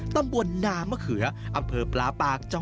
ต้นจามจุริยักษ์